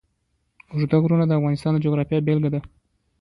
اوږده غرونه د افغانستان د جغرافیې بېلګه ده.